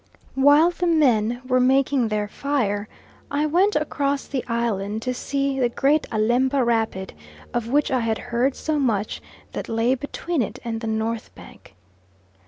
While the men were making their fire I went across the island to see the great Alemba rapid, of which I had heard so much, that lay between it and the north bank.